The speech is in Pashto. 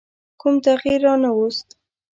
کوم تغییر رانه ووست.